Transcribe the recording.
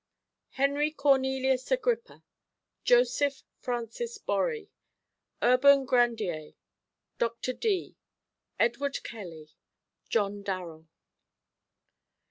Henry Cornelius Agrippa Joseph Francis Borri Urban Grandier Dr. Dee Edward Kelly John Darrell.